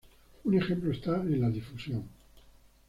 Un ejemplo está en la difusión.